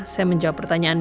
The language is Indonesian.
saya menjawab pertanyaanmu